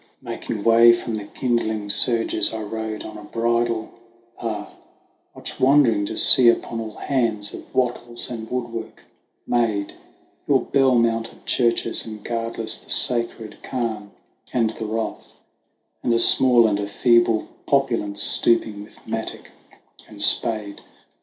Making way from the kindling surges, I rode on a bridle path Much wondering to see upon all hands, of wattles and woodwork made, Your bell mounted churches, and guardless the sacred cairn and the rath, And a small and feeble race stooping with mattock and spade.